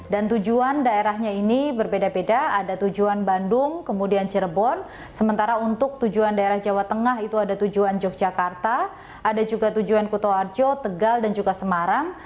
dan tujuan daerahnya ini berbeda beda ada tujuan bandung kemudian cirebon sementara untuk tujuan daerah jawa tengah itu ada tujuan yogyakarta ada juga tujuan kota arjo tegal dan juga semarang